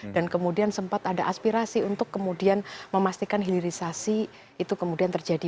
dan kemudian sempat ada aspirasi untuk kemudian memastikan hilirisasi itu kemudian terjadi